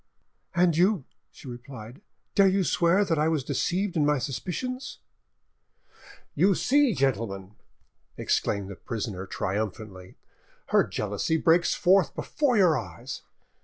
"And you," she replied, "dare you swear that I was deceived in my suspicions?" "You see, gentlemen," exclaimed the prisoner triumphantly, "her jealousy breaks forth before your eyes.